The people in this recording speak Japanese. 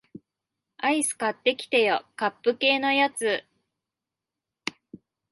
アイス買ってきてよ、カップ系のやつ